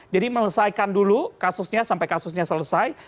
jadi melesaikan dulu kasusnya sampai kasusnya selesai